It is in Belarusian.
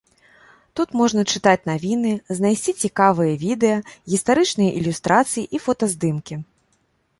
Тут можна чытаць навіны, знайсці цікавыя відэа, гістарычныя ілюстрацыі і фотаздымкі.